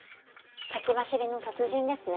先走りの達人ですね。